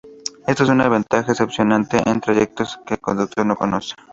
Esto es una ventaja especialmente en trayectos que el conductor no conoce.